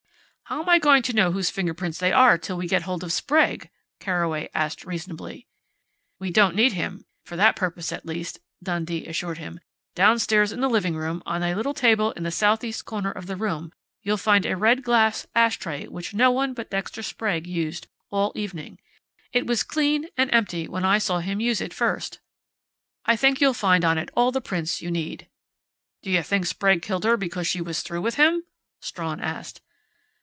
"How am I going to know whose fingerprints they are till we get hold of Sprague?" Carraway asked reasonably. "We don't need him for that purpose, at least," Dundee assured him. "Downstairs in the living room, on a little table in the southeast corner of the room, you'll find a red glass ashtray which no one but Dexter Sprague used all evening. It was clean and empty when I saw him use it first. I think you'll find on it all the prints you need." "So you think Sprague killed her because she was through with him?" Strawn asked.